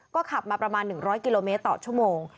ก็ขับมาประมาณ๑๐๐กิโลเมตรต่อชั่วโมง